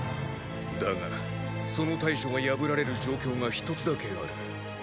だがその対処が破られる状況が一つだけある。